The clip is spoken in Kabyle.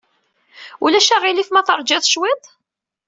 Ulac aɣilif ma teṛjiḍ cwiṭ?